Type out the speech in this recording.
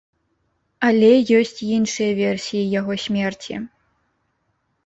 Але ёсць іншыя версіі яго смерці.